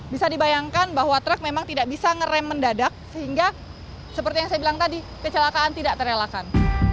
bisa dibayangkan bahwa truk memang tidak bisa ngerem mendadak sehingga seperti yang saya bilang tadi kecelakaan tidak terelakkan